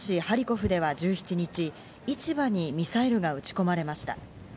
ハリコフでは１７日、市場にミサイルが撃ち込まれました。